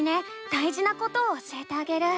だいじなことを教えてあげる。